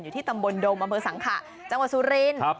อยู่ที่ตำบลโดมอำเภอสังขะจังหวัดสุริน